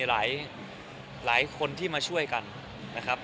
หลายคนที่มาช่วยกันนะครับ